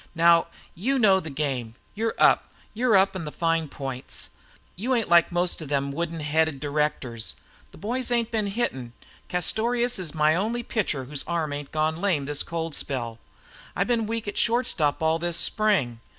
"Now, you know the game; you're up; you're up on the fine points. You ain't like most of them wooden headed directors. The boys ain't been hittin'. Castorious is my only pitcher whose arm ain't gone lame this cold spell. I've been weak at short stop all this Spring.